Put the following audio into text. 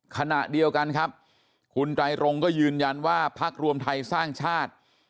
ขณะเดียวกันครับคุณไตรรงก็ยืนยันว่าพักรวมไทยสร้างชาติ